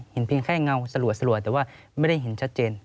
เพียงแค่เงาสลัวแต่ว่าไม่ได้เห็นชัดเจน